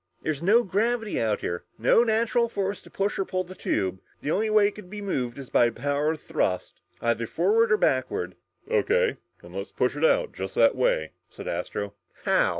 There's no gravity out here no natural force to pull or push the tube. The only way it could be moved is by the power of thrust, either forward or backward!" "O.K. Then let's push it out, just that way," said Astro. "How?"